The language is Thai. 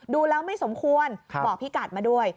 ดูแล้วไม่สมควรบอกพี่กัดมาด้วย